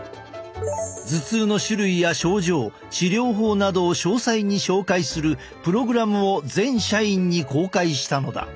頭痛の種類や症状治療法などを詳細に紹介するプログラムを全社員に公開したのだ。